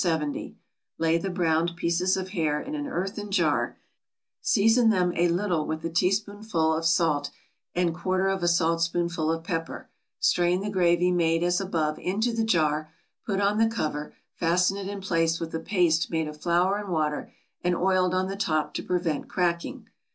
70; lay the browned pieces of hare in an earthen jar; season them a little with a teaspoonful of salt, and quarter of a saltspoonful of pepper; strain the gravy made as above into the jar; put on the cover; fasten it in place with a paste made of flour and water, and oiled on the top to prevent cracking.